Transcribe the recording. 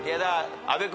阿部君